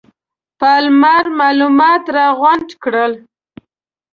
پالمر معلومات راغونډ کړل.